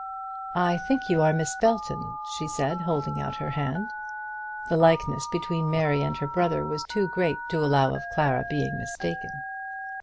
"I think you are Miss Belton?" she said, holding out her hand. The likeness between Mary and her brother was too great to allow of Clara being mistaken.